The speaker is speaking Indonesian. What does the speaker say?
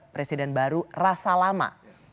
presiden baru rasa lama